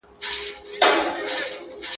جانان پاته پر وطن زه یې پرېښودم یوازي.